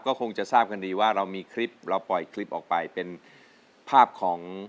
ก็คงจะทราบกันดีว่าเรามีคลิปเราปล่อยคลิปออกไปเป็นภาพของ